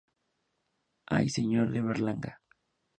I Señor de Berlanga.